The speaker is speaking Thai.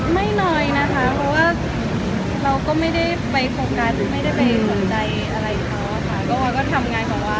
ไม่น้อยนะคะเพราะเราก็ไม่ไปโฟกัสสนใจอะไรของเขาก็ทำงานของเรา